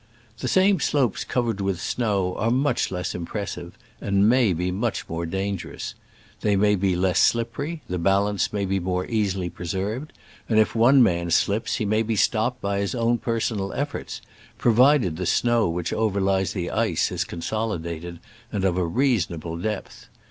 The same slopes covered with snow are much less impressive, and may be much more dangerous. They may be less slippery, the balance may be more easily preserved, and if one man slips he may be stopped by his own personal efforts, provided the snow which over lies the ice is consolidated and of a rea sonable depth.